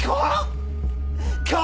今日？